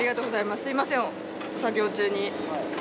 すみません作業中に。